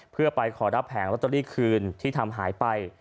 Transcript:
เพื่อไปขอรับแผงลอตเตอรี่คืนที่ทำหายไป